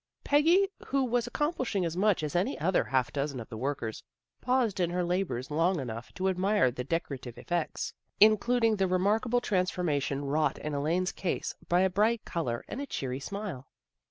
Peggy, who was accomplishing as much as any other half dozen of the workers, paused in her labors long enough to admire the decorative effects, in cluding the remarkable transformation wrought in Elaine's case by a bright color and a cheery smile.